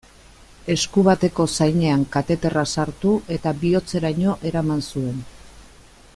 Esku bateko zainean kateterra sartu eta bihotzeraino eraman zuen.